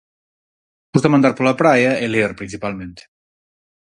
Gústame andar pola praia e ler, principalmente.